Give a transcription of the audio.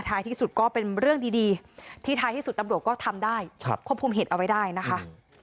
ที่สุดก็เป็นเรื่องดีที่ท้ายที่สุดตำรวจก็ทำได้ควบคุมเหตุเอาไว้ได้นะคะ